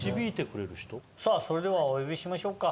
さあそれではお呼びしましょうか。